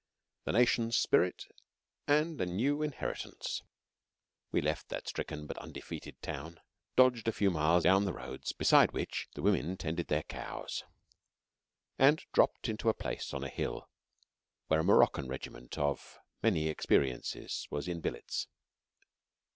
II THE NATION'S SPIRIT AND A NEW INHERITANCE We left that stricken but undefeated town, dodged a few miles down the roads beside which the women tended their cows, and dropped into a place on a hill where a Moroccan regiment of many experiences was in billets.